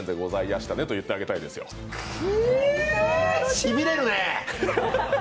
しびれるね。